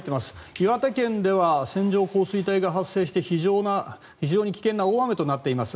岩手県では線状降水帯が発生して非常に危険な大雨となっています。